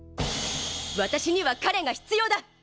私には彼が必要だ！